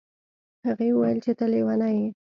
هغې وویل چې ته لیونی یې.